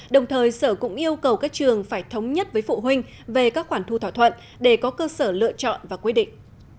đồng thời sở cũng yêu cầu các trường phải thống nhất với phụ huynh về các khoản thu thỏa thuận để có cơ sở lựa chọn và quyết định